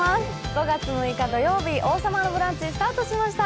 ５月６日土曜日、「王様のブランチ」スタートしました。